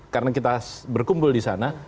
karena kita berkumpul di sana